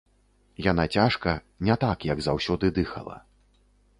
Яна цяжка, не так, як заўсёды, дыхала.